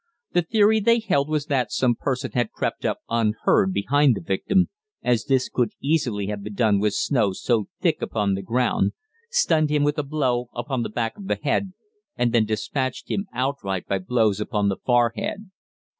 The theory they held was that some person had crept up unheard behind the victim as this could easily have been done with snow so thick upon the ground stunned him with a blow upon the back of the head, and then despatched him outright by blows upon the forehead.